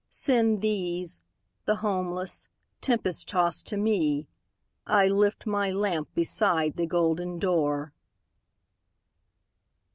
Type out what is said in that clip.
Send these, the homeless, tempest tost to me,I lift my lamp beside the golden door!"